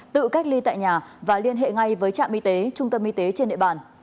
tự cách ly tại nhà và liên hệ ngay với trạm y tế trung tâm y tế trên địa bàn